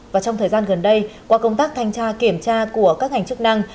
và trong thời gian gần đây qua công tác thanh tra kiểm tra của các ngành chức năng